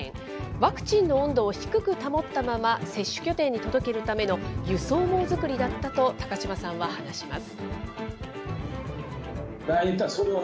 ワクチンの温度を低く保ったまま、接種拠点に届けるための輸送網作りだったと高島さんは話します。